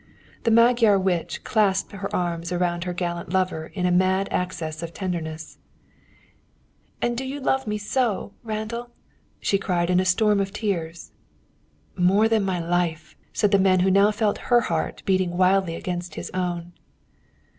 The Magyar witch clasped her arms around her gallant lover in a mad access of tenderness. "And you do love me so, Randall," she cried, in a storm of tears. "More than my life," said the man who now felt her heart beating wildly against his own.